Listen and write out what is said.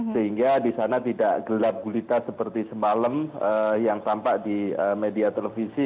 sehingga di sana tidak gelap gulita seperti semalam yang tampak di media televisi